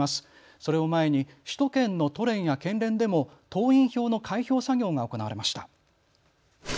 それを前に首都圏の都連や県連でも党員票の開票作業が行われました。